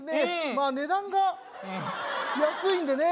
まあ値段が安いんでね